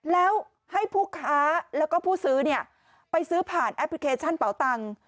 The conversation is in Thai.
แล้วให้ผู้ค้าแล้วก็ผู้ซื้อเนี่ยไปซื้อผ่านแอปพลิเคชันเป่าตังค์